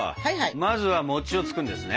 まずは餅をつくんですね？